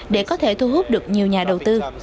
để có thể thu hút được nhiều nhà đầu tư